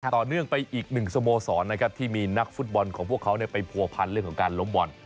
ต่อเนื่องไปอีกหนึ่งสโมสรนะครับที่มีนักฟุตบอลของพวกเขาไปผัวพันเรื่องของการล้มบอล